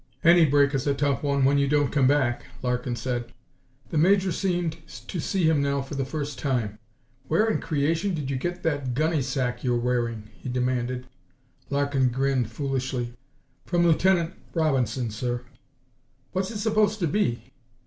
"Any break is a tough one when you don't come back," Larkin said. The Major seemed to see him now for the first time. "Where in creation did you get that gunny sack you're wearing?" he demanded. Larkin grinned, foolishly. "From Lieutenant Robinson, sir." "What's it supposed to be?"